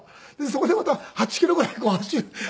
そこでまた８キロぐらいこう走る。